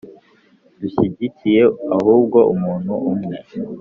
dushyigikiye ahubwo umuntu umwe